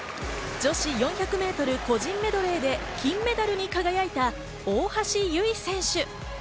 女子４００ｍ個人メドレーで金メダルに輝いた大橋悠依選手。